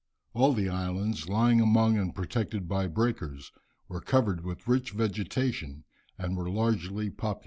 All the islands, lying among and protected by breakers, were covered with rich vegetation and were largely populated.